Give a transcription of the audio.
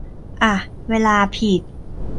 อ่ะ เวลาผิด